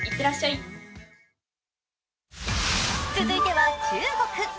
続いては中国。